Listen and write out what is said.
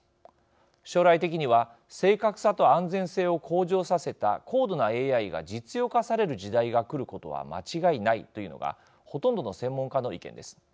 将来的には正確さと安全性を向上させた高度なＡＩが実用化される時代がくることは間違いないというのがほとんどの専門家の意見です。